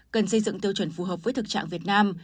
cần xây dựng tiêu chuẩn phù hợp với thực trạng việt nam